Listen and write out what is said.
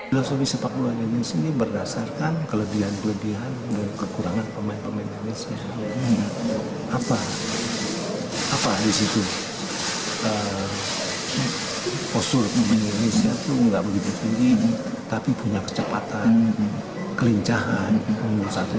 filosofi sepak bola indonesia ini berdasarkan kelebihan kelebihan